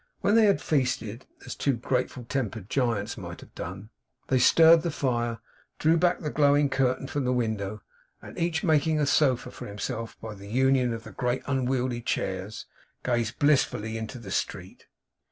When they had feasted, as two grateful tempered giants might have done, they stirred the fire, drew back the glowing curtain from the window, and making each a sofa for himself, by union of the great unwieldy chairs, gazed blissfully into the street.